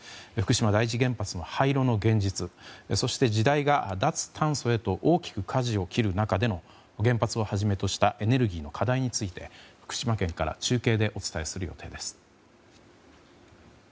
福島第一原発の廃炉の現実そして時代が脱炭素へと大きくかじを切る中での原発をはじめとしたエネルギーの課題について福島県から中継でお伝えする予定です。